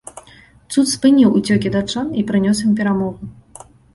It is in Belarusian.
Цуд спыніў уцёкі датчан і прынёс ім перамогу.